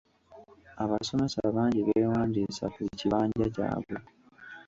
Abasomesa bangi beewandiisa ku kibanja kyabwe.